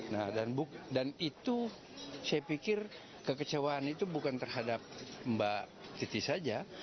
nah dan itu saya pikir kekecewaan itu bukan terhadap mbak titi saja